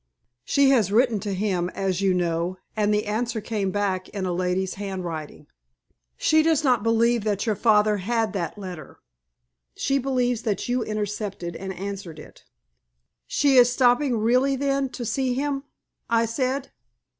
She has written to him, as you know, and the answer came back in a lady's handwriting. She does not believe that your father had that letter. She believes that you intercepted and answered it." "She is stopping really, then, to see him?" I said.